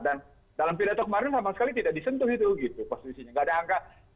dan dalam pidato kemarin sama sekali tidak disentuh itu gitu posisinya nggak ada angka